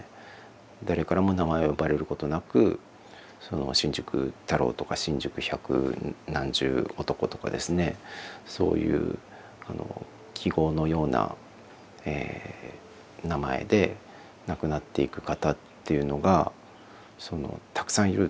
誰からも名前を呼ばれることなく新宿太郎とか新宿百何十男とかですねそういう記号のような名前で亡くなっていく方っていうのがたくさんいる。